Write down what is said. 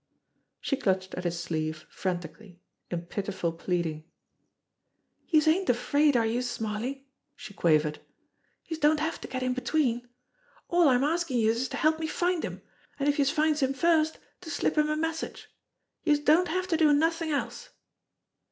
She clutched at his sleeve frantically, in pitiful pleading. "Youse ain't afraid, are youse, Smarly?" she quavered. "Youse don't have to get in between. All I'm askin' youse is to help me find him, an' if youse finds him first to slip him a message. Youse don't have to do nothin' else."